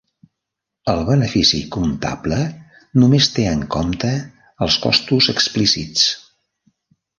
El benefici comptable només té en compte els costos explícits.